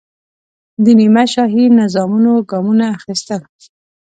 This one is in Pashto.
د نیمه شاهي نظامونو ګامونه اخیستل.